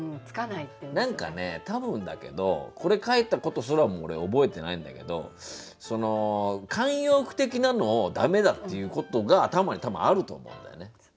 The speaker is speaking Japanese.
何かね多分だけどこれ書いたことすらも俺覚えてないんだけど慣用句的なのを駄目だっていうことが頭に多分あると思うんだよね。